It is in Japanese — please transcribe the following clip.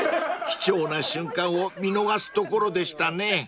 ［貴重な瞬間を見逃すところでしたね］